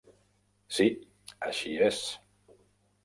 Sí, així és.